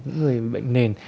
những người bị bệnh nền